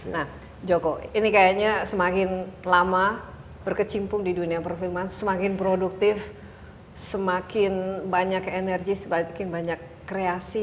nah joko ini kayaknya semakin lama berkecimpung di dunia perfilman semakin produktif semakin banyak energi semakin banyak kreasi